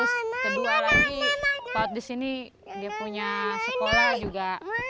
sedua lagi di sini dia punya sekolah juga